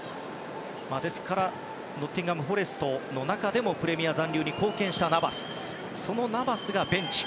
ですから、ノッティンガム・フォレストの中でもプレミア残留に貢献したそのナバスがベンチ。